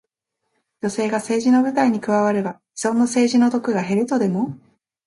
女性が政治の舞台に加われば、既存の政治の毒が減るとでも？